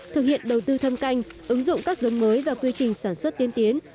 thực hiện đầu tư thâm canh ứng dụng các giống mới và quy trình sản xuất tiên tiến